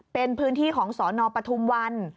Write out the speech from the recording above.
เป็นพื้นที่ของสนปทุมวัน